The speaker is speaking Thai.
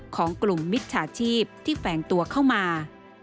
ของกลุ่มมิจฉาชีพที่แฝงตัวเข้ามา